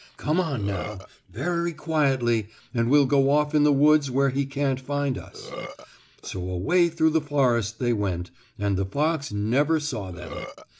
"Come on now, very quietly and we'll go off in the woods where he can't find us." So away through the forest they went, and the fox never saw them.